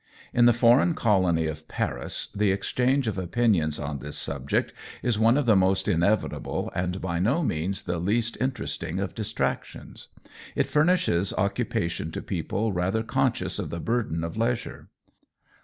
In the foreign colony of Paris the exchange of opinions on this subject is one of the most inevitable and by no means the least inter esting of distractions ; it furnishes occupa tion to people rather conscious of the burden of leisure.